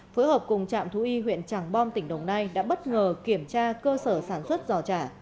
phối hợp cùng trạm thú y huyện tràng bom tỉnh đồng nai đã bất ngờ kiểm tra cơ sở sản xuất giò trà